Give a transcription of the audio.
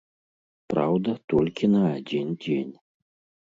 Праўда, толькі на адзін дзень.